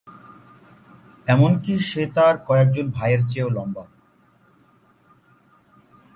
এমনকি সে তার কয়েকজন ভাইয়ের চেয়েও লম্বা।